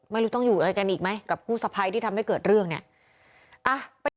ไม่รู้ต้องอยู่อะไรกันอีกไหมกับผู้สะพ้ายที่ทำให้เกิดเรื่องเนี่ย